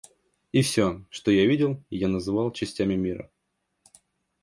И все, что я видел, я называл частями мира.